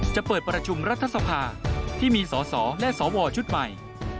จะเปิดประชุมรัฐสภาที่มีสอสอและสวชุดใหม่